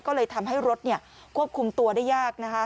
ก็เลยทำให้รถควบคุมตัวได้ยาก